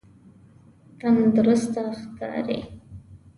تندرسته ښکاری؟